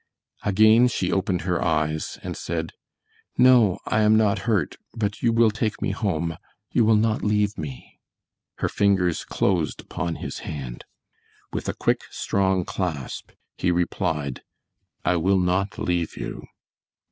Again she opened her eyes and said, "No, I am not hurt, but you will take me home; you will not leave me!" Her fingers closed upon his hand. With a quick, strong clasp, he replied: "I will not leave you."